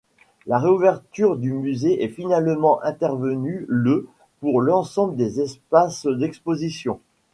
La réouverture du musée est finalement intervenue le pour l'ensemble des espaces d'exposition.